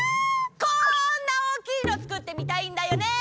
こんな大きいのつくってみたいんだよね！